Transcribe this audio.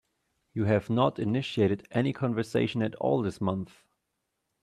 You have not initiated any conversation at all this month.